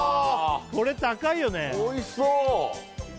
これ高いよねおいしそう！